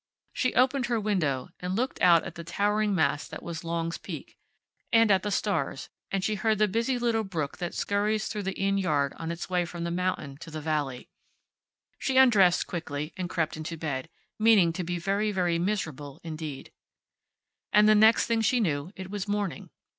She opened her window and looked out at the towering mass that was Long's Peak, and at the stars, and she heard the busy little brook that scurries through the Inn yard on its way from the mountain to the valley. She undressed quickly, and crept into bed, meaning to be very, very miserable indeed. And the next thing she knew it was morning.